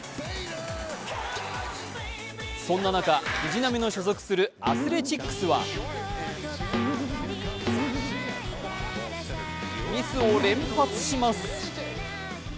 そんな中、藤浪の所属するアスレチックスはミスを連発します。